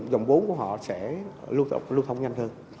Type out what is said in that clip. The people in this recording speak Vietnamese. dòng vốn của họ sẽ lưu thông nhanh hơn